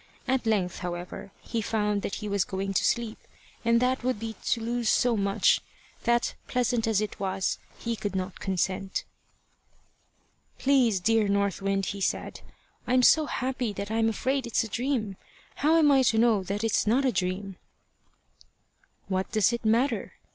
At length, however, he found that he was going to sleep, and that would be to lose so much, that, pleasant as it was, he could not consent. "Please, dear North Wind," he said, "I am so happy that I'm afraid it's a dream. How am I to know that it's not a dream?" "What does it matter?"